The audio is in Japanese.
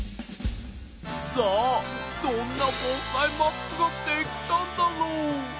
さあどんな防災マップができたんだろう？